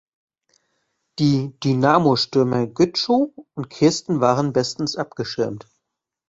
Die Dynamo-Stürmer Gütschow und Kirsten waren bestens abgeschirmt.